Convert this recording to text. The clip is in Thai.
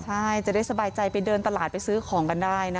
ใช่จะได้สบายใจไปเดินตลาดไปซื้อของกันได้นะ